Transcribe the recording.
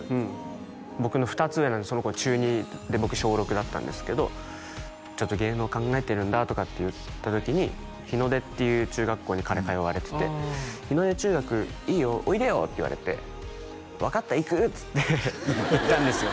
僕の２つ上なんでその頃中２で僕小６だったんですけどちょっと芸能考えてるんだとかって言った時に日出っていう中学校に彼通われてて「日出中学いいよおいでよ」って言われて分かった行くっつって行ったんですよ